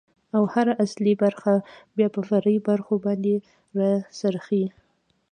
، او هر اصلي برخه بيا په فرعي برخو باندې را څرخي.